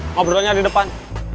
ngobrolnya di depan